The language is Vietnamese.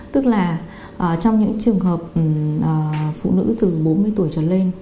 tức là trong những trường hợp phụ nữ từ bốn mươi tuổi trở lên